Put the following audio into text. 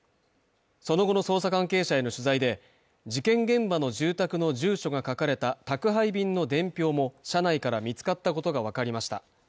その後の捜査関係者への取材で事件現場の住宅の住所が書かれた宅配便の伝票も車内から見つかったことが分かりました。